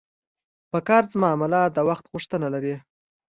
په قرض معامله د وخت غوښتنه لري.